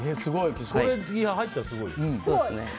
これ、入ったらすごいよ。